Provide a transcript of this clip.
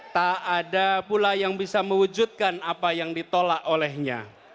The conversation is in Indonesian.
tak ada pula yang bisa mewujudkan apa yang ditolak olehnya